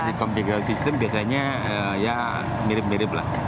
tapi dari kompilasi sistem biasanya ya mirip mirip lah